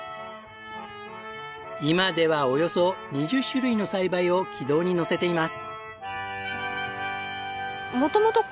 今ではおよそ２０種類の栽培を軌道にのせています。